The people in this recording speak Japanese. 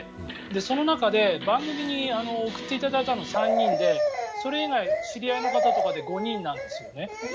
その中で、番組に送っていただいたのは３人でそれ以外、知り合いの方とかで５人なんですね。